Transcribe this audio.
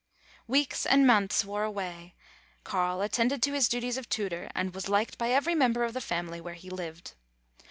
Weeks and months wore away. Carl attended to his duties of tutor, and was liked by every mem ber of the family where he lived.